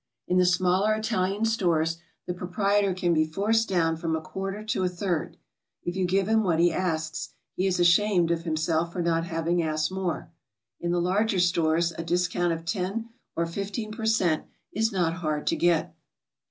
In the smaller Italian stores the proprietor can be forced down from a quarter to a third; if you give him what he asks, he is ashamed of him self for not having asked more. In the larger stores, a dis count of ten or fifteen per cent, is not hard to get.